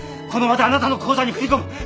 この場であなたの口座に振り込む。